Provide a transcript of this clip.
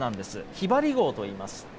ひばり号といいます。